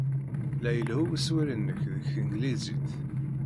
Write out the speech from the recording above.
La ilehhu weswir-nnek deg tanglizit.